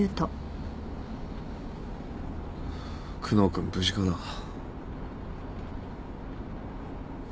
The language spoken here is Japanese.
久能君無事かな。